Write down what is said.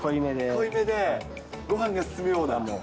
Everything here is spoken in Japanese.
濃いめでごはんが進むような。